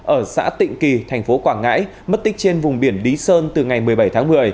ở xã tịnh kỳ thành phố quảng ngãi mất tích trên vùng biển lý sơn từ ngày một mươi bảy tháng một mươi